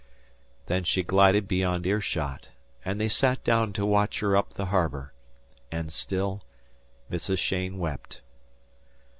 Then she glided beyond ear shot, and they sat down to watch her up the harbour, And still Mrs. Cheyne wept.